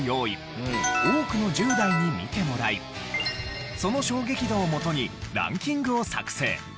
多くの１０代に見てもらいその衝撃度をもとにランキングを作成。